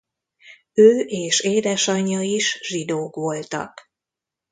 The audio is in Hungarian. Ő és édesanyja is zsidók voltak.